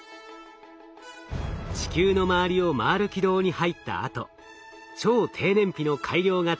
地球の周りを回る軌道に入ったあと超低燃費の改良型